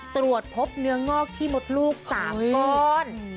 ตรวจพบเนื้องอกที่มดลูก๓ก้อน